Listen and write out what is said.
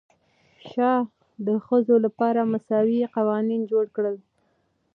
شاه د ښځو لپاره مساوي قوانین جوړ کړل.